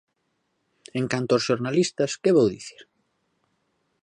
En canto aos xornalistas, que vou dicir!